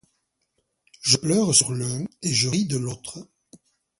Je pleure sur l'un et je ris de l'autre.